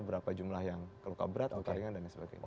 berapa jumlah yang keluka berat buka ringan dan sebagainya